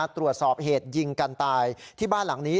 ตรวจสอบเหตุยิงกันตายที่บ้านหลังนี้